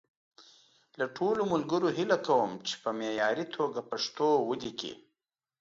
له ټولو ملګرو هیله کوم چې په معیاري توګه پښتو وليکي.